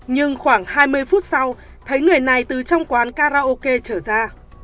nhưng khoảng hai mươi phút sau thấy người này từ trong quán karaoke trở ra